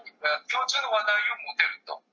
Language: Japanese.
共通の話題を持てると。